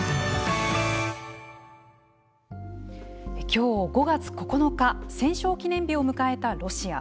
きょう５月９日戦勝記念日を迎えたロシア。